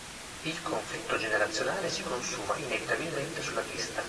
Il conflitto generazionale si consuma inevitabilmente sulla pista.